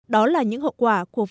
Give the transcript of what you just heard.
đó là những hậu quả của việc